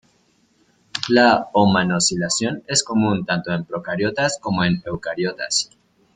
La O-manosilación es común tanto en procariotas como en eucariotas.